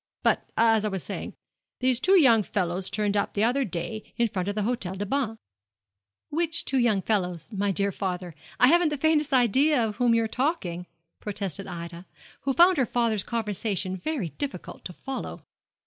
But as I was saying, these two young fellows turned up the other day in front of the Hôtel des Bains.' 'Which two young fellows, my dear father? I haven't the faintest idea of whom you are talking,' protested Ida, who found her father's conversation very difficult to follow.